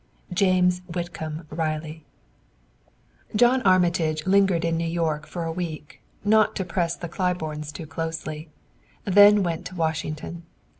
James Whitcomb Riley. John Armitage lingered in New York for a week, not to press the Claibornes too closely, then went to Washington.